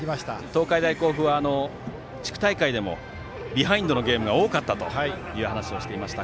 東海大甲府は地区大会でもビハインドのゲームが多かったという話をしていました。